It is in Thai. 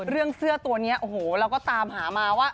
เสื้อตัวนี้โอ้โหเราก็ตามหามาว่า